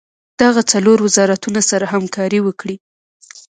دغه څلور وزارتونه سره همکاري وکړي.